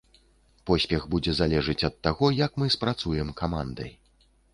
Поспех будзе залежыць ад таго, як мы спрацуем камандай.